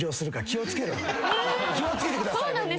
気を付けてくださいね皆さん。